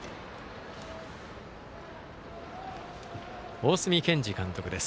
大角健二監督です。